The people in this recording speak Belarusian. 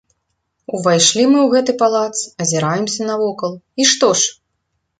Увайшлі мы ў гэты палац, азіраемся навокал, і што ж?